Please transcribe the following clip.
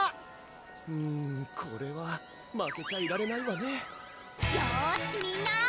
うんこれは負けちゃいられないわねよしみんな！